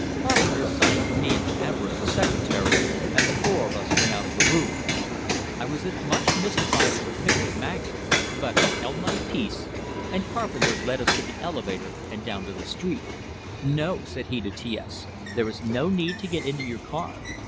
Carpenter signed to me and to Everett, the secretary, and the four of us went out of the room. I was as much mystified as the picture magnate, but I held my peace, and Carpenter led us to the elevator, and down to the street. "No," said he, to T S, "there is no need to get into your car.